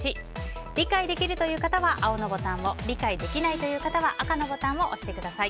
理解できるという方は青のボタンを理解できないという方は赤のボタンを押してください。